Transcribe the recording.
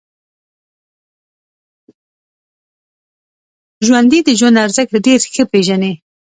ژوندي د ژوند ارزښت ډېر ښه پېژني